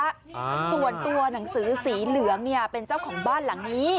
อ่าส่วนตัวหนังสือสีเหลืองเนี่ยเป็นเจ้าของบ้านหลังนี้